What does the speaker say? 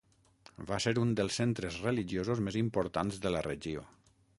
Va ser un dels centres religiosos més importants de la regió.